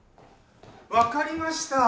わかりました！